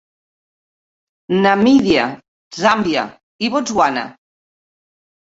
Namíbia, Zàmbia i Botswana.